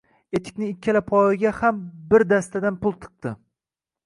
Etikning ikkala poyiga ham bir dastadan pul tiqdi